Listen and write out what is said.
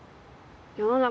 世の中